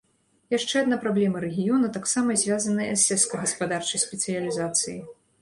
Яшчэ адна праблема рэгіёна таксама звязаная з сельскагаспадарчай спецыялізацыяй.